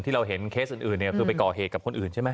เราเห็นเคสอื่นคือไปก่อเหตุกับคนอื่นใช่ไหม